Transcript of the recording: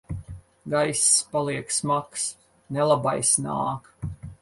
Gaiss paliek smags. Nelabais nāk!